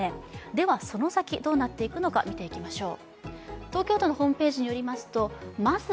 ではそのサキ、どうなっていくのか見ていきましょう。